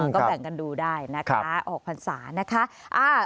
ก็แบ่งกันดูได้นะคะออกพรรษานะคะ